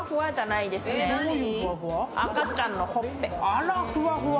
あら、ふわふわ！